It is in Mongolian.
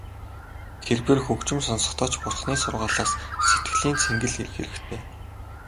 Тэрбээр хөгжим сонсохдоо ч Бурханы сургаалаас сэтгэлийн цэнгэл эрэх хэрэгтэй.